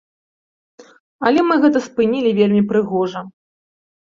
Але мы гэта спынілі вельмі прыгожа.